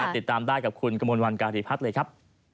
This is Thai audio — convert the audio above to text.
ติดตามได้กับคุณกระมวลวันการีพัฒน์เลยครับ